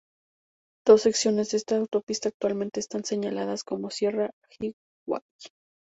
Dos secciones de esta autopista actualmente están señalizadas como Sierra Highway.